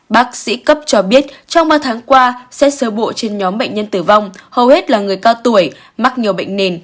bác sĩ cấp cho biết trong ba tháng qua xét sơ bộ trên nhóm bệnh nhân tử vong hầu hết là người cao tuổi mắc nhiều bệnh nền